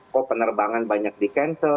kok penerbangan banyak di cancel